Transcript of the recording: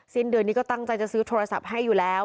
สิ้นเดือนนี้ก็ตั้งใจจะซื้อโทรศัพท์ให้อยู่แล้ว